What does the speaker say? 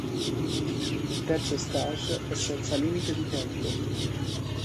Il terzo stage è senza limite di tempo.